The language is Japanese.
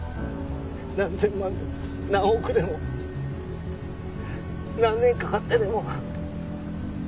何千万でも何億でも何年かかってでも。